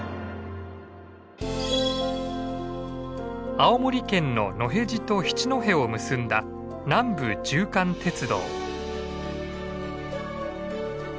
青森県の野辺地と七戸を結んだ南部縦貫鉄道。